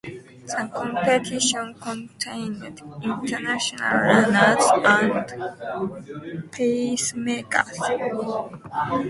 The competition contained international runners and pacemakers.